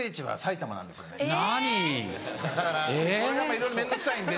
いろいろ面倒くさいんで。